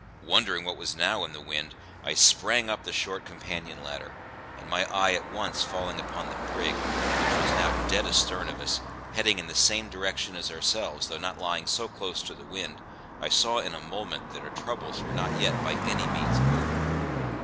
Wondering what was now in the wind, I sprang up the short companion ladder, and my eye at once falling upon the brig (which was now dead astern of us, heading in the same direction as ourselves, though not lying so close to the wind), I saw in a moment that our troubles were not yet by any means over.